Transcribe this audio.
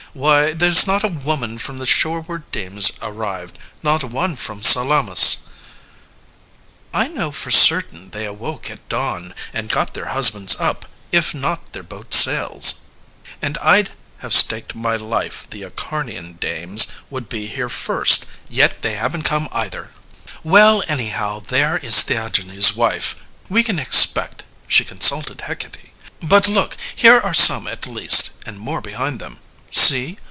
Why, there's not a woman From the shoreward demes arrived, not one from Salamis. CALONICE I know for certain they awoke at dawn, And got their husbands up if not their boat sails. LYSISTRATA And I'd have staked my life the Acharnian dames Would be here first, yet they haven't come either! CALONICE Well anyhow there is Theagenes' wife We can expect she consulted Hecate. But look, here are some at last, and more behind them. See